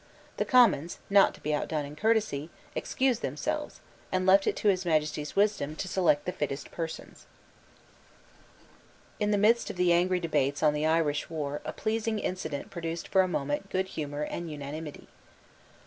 The Commons, not to be outdone in courtesy, excused themselves, and left it to His Majesty's wisdom to select the fittest persons, In the midst of the angry debates on the Irish war a pleasing incident produced for a moment goodhumour and unanimity.